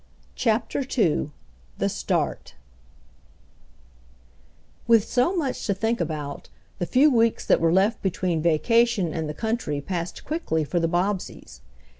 CHAPTER II THE START With so much to think about, the few weeks that were left between vacation and the country passed quickly for the Bobbseys.